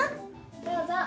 どうぞ。